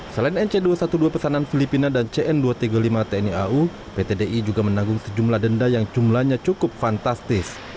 selain nc dua ratus dua belas pesanan filipina dan cn dua ratus tiga puluh lima tni au pt di juga menanggung sejumlah denda yang jumlahnya cukup fantastis